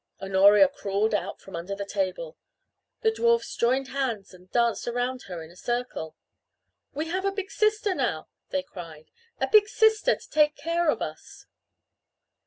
Honoria crawled out from under the table. The dwarfs joined hands and danced around her in a circle. "We have a big sister now!" they cried. "A big sister to take care of us!"